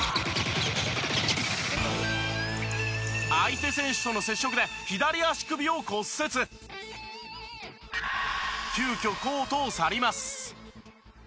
相手選手との接触で急きょコートを去ります。